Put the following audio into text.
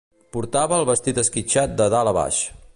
Portava el vestit esquitxat de dalt a baix.